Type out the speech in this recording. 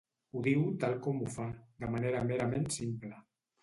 Ho diu tal com ho fa, de manera merament simple.